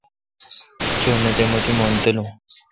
چو نہ تے مہ تی مون تالو۔